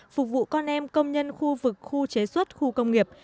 phục vụ con em công nhân khu vực khu chế xuất khu công nghiệp